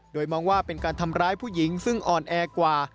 โดยมองว่าเป็นการทำร้ายผู้หญิงซึ่งอ่อนแอกว่า